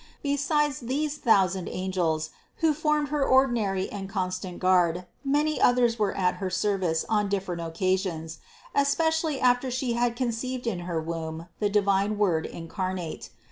Besides these thousand angels, who formed her ordinary and constant guard, many others were at her service on different occasions, especially after She had conceived in her womb the divine Word incarnate.